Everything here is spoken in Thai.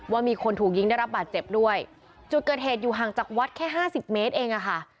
ว่ามีคนถูกยิงได้รับบาดเจ็บด้วยจุดเกิดเหตุอยู่ห่างจากวัดแค่ห้าสิบเมตรเองอะค่ะ